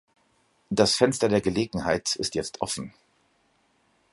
Das Fenster der Gelegenheit ist jetzt offen.